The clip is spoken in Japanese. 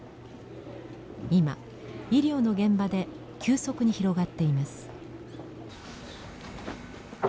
今医療の現場で急速に広がっています。